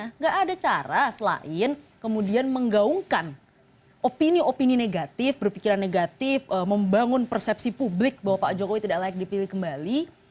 tidak ada cara selain kemudian menggaungkan opini opini negatif berpikiran negatif membangun persepsi publik bahwa pak jokowi tidak layak dipilih kembali